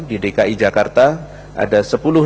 di dki jakarta ada sepuluh empat ratus lima